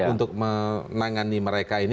untuk menangani mereka ini